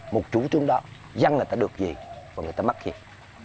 một chủ trương đó dân người ta được gì người ta mắc hiệp